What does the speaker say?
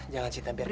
jangan cinta berta